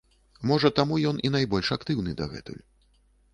Можа, таму ён і найбольш актыўны дагэтуль.